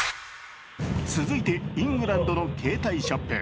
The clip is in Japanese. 続いてイングランドの携帯ショップ。